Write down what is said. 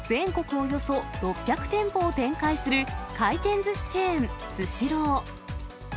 およそ６００店舗を展開する回転ずしチェーン、スシロー。